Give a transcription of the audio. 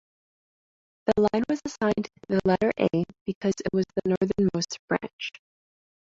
The line was assigned the letter "A" because it was the northernmost branch.